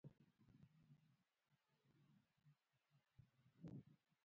ازادي راډیو د روغتیا په اړه د هر اړخیز پوښښ ژمنه کړې.